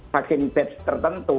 vaksin batch tertentu